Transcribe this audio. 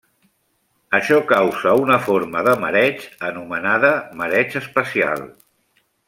Això causa una forma de mareig anomenada mareig espacial.